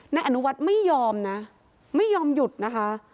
นายอนุวัฒน์ไม่ยอมนะไม่ยอมหยุดนะคะ